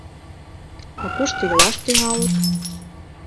— А кушто илаш тӱҥалыт?